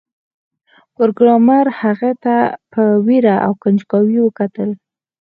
پروګرامر هغه ته په ویره او کنجکاوی وکتل